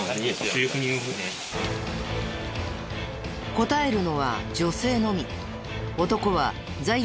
答えるのは女性のみ。